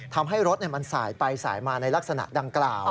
ทำให้รถมันสายไปสายมาในลักษณะดังกล่าว